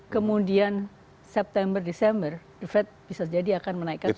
kemudian september desember the fed bisa jadi akan menaikkan